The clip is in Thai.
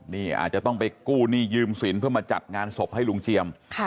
นี่อาจจะต้องไปกู้หนี้ยืมสินเพื่อมาจัดงานศพให้ลุงเจียม